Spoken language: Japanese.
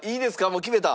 もう決めた？